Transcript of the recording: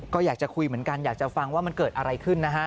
ก็อยากจะคุยเหมือนกันอยากจะฟังว่ามันเกิดอะไรขึ้นนะฮะ